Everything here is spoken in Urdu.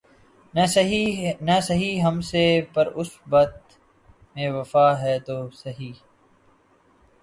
نہ سہی ہم سے‘ پر اس بت میں وفا ہے تو سہی